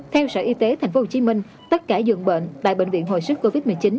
theo sở y tế tp hcm tất cả dường bệnh tại bệnh viện hồi sức covid một mươi chín